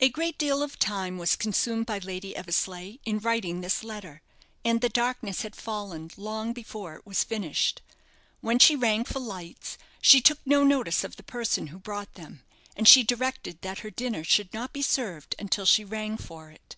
A great deal of time was consumed by Lady Eversleigh in writing this letter, and the darkness had fallen long before it was finished. When she rang for lights, she took no notice of the person who brought them, and she directed that her dinner should not be served until she rang for it.